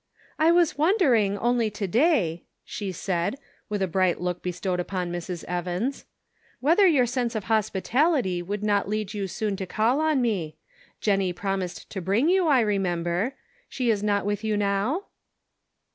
"I. was wondering, only to day," she said, with a bright look bestowed upon Mrs. Evans, " whether your sense of hospitality would not lead you soon to call on me. Jennie promised to bring you, I remember ; she is not with you now